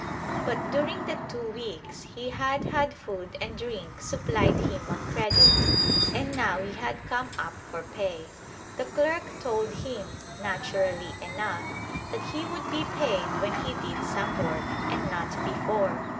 But during the two weeks he had had food and drink supplied him on credit, and now he had come up for pay. The clerk told him, naturally enough, that he would be paid when he did some work, and not before.